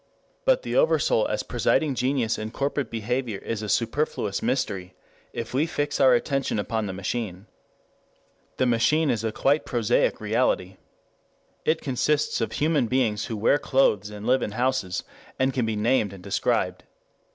But the Oversoul as presiding genius in corporate behavior is a superfluous mystery if we fix our attention upon the machine. The machine is a quite prosaic reality. It consists of human beings who wear clothes and live in houses, who can be named and described.